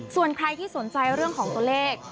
ส่วนใครที่สนใจเรื่องของตัวเลข